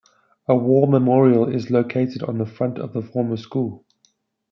A war memorial is located on the front of the former school.